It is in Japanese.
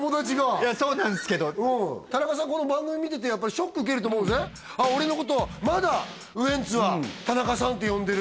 いやそうなんですけど田中さんこの番組見ててやっぱりショック受けると思うぜ「ああ俺のことをまだウエンツは田中さんって呼んでる」